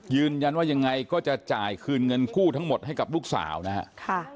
ยืนยันว่ายังไงก็จะจ่ายคืนเงินกู้ทั้งหมดให้กับลูกสาวนะครับ